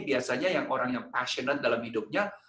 biasanya yang orang yang passionate dalam hidupnya